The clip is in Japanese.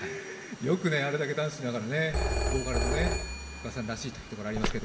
よくあれだけダンスしながらボーカルもＦｕｋａｓｅさんらしいというところ、ありますけど。